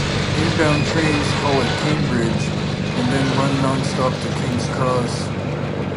Inbound trains call at Cambridge and then run non-stop to King's Cross.